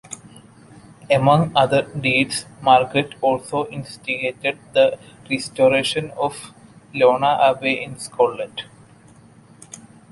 Among other deeds, Margaret also instigated the restoration of Iona Abbey in Scotland.